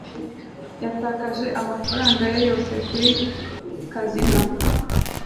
yatakaje amafaranga ye yose kuri kazino